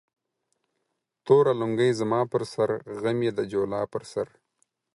توره لنگۍ زما پر سر ، غم يې د جولا پر سر